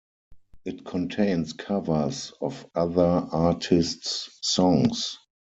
It contains covers of other artists' songs.